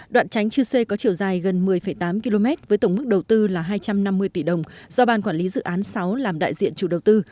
đoạn tránh chư sê có chiều dài gần một mươi tám km với tổng mức đầu tư là hai trăm năm mươi tỷ đồng do ban quản lý dự án sáu làm đại diện chủ đầu tư